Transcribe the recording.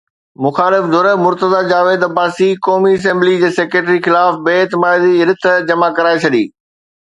مخالف ڌر اڳواڻ مرتضيٰ جاويد عباسي قومي اسيمبلي جي سيڪريٽري خلاف بي اعتمادي جي رٿ جمع ڪرائي ڇڏي.